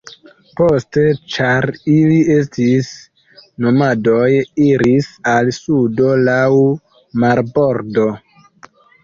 Poste, ĉar ili estis nomadoj, iris al sudo laŭ marbordo.